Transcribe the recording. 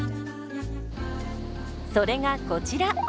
それがこちら。